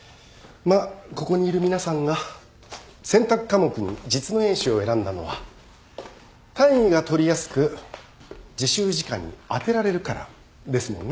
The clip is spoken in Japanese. まあここにいる皆さんが選択科目に実務演習を選んだのは単位が取りやすく自習時間に充てられるからですもんね。